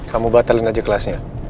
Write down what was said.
kamu batalin aja kelasnya